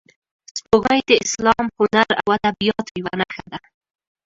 سپوږمۍ د اسلام، هنر او ادبیاتو یوه نښه ده